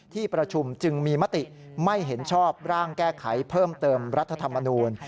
ที่ประชุมจึงมีมติไม่เห็นชอบร่างแก้ไขเพิ่มเติมรัฐธรรมนูล